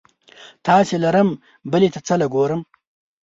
تا چې لرم بلې ته څه له ګورم؟